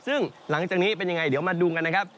ซึ่งหลังจากนี้เป็นยังไงเดี๋ยวมาดูกันนะครับ